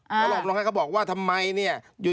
เขาหอบลงให้เขาบอกว่าทำไมเนี่ย